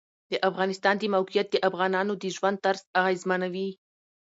د افغانستان د موقعیت د افغانانو د ژوند طرز اغېزمنوي.